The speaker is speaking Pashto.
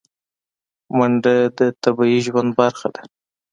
منډه د طبیعي ژوند برخه ده